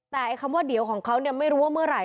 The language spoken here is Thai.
แต่คำว่าเดี๋ยวของเขาไม่รู้ว่าเมื่อไหร่